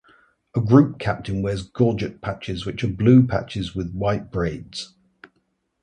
A group captain wears gorget patches which are blue patches with white braids.